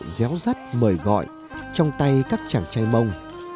ngân lên những giai điệu déo rắt mời gọi trong tay các chàng trai mông